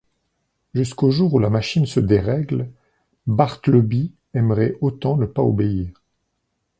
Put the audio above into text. Jusqu'au jour où la machine se dérègle, Bartleby aimerait autant ne pas obéir.